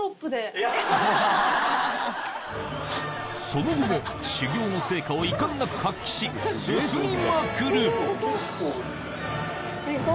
その後も修業の成果を遺憾なく発揮しすすりまくる最高？